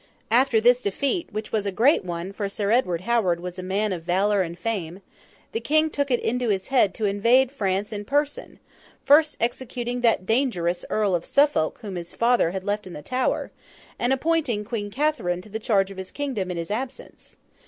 After this defeat—which was a great one, for Sir Edward Howard was a man of valour and fame—the King took it into his head to invade France in person; first executing that dangerous Earl of Suffolk whom his father had left in the Tower, and appointing Queen Catherine to the charge of his kingdom in his absence.